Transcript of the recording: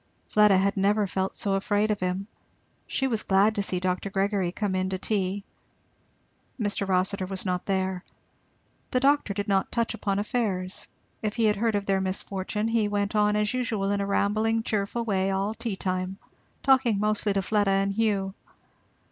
Fleda had never felt so afraid of him. She was glad to see Dr. Gregory come in to tea. Mr. Rossitur was not there. The doctor did not touch upon affairs, if he had heard of their misfortune; he went on as usual in a rambling cheerful way all tea time, talking mostly to Fleda and Hugh.